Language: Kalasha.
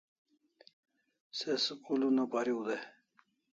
Se school una pariu day